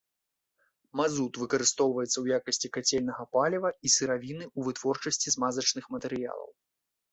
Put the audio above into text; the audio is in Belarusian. Мазут выкарыстоўваецца ў якасці кацельнага паліва і сыравіны ў вытворчасці змазачных матэрыялаў.